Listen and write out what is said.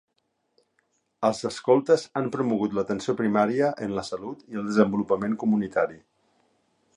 Els escoltes han promogut l'atenció primària en la salut i el desenvolupament comunitari.